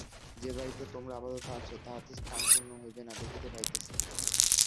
যে বাড়ীতে তোমরা আপাতত আছ, তাহাতে স্থান পূর্ণ হইবে না, দেখিতে পাইতেছি।